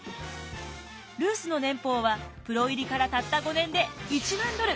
ルースの年俸はプロ入りからたった５年で１万ドル。